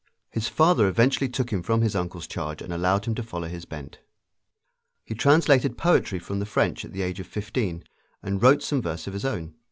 His father eventually took him from his uncle's charge and allowed him to follow his bent. He translated poetry from the French at the age of fifteen, and wrote some verse of his own.